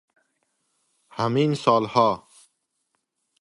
همین سال ها